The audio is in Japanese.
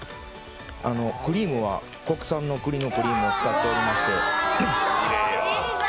クリームは国産のくりのクリームを使っていまして。